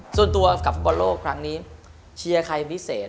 ส่วนตัวกับฟุตบอลโลกครั้งนี้เชียร์ใครเป็นพิเศษ